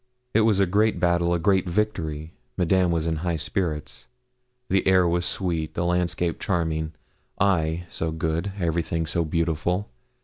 It was a great battle a great victory. Madame was in high spirits. The air was sweet the landscape charming I, so good everything so beautiful!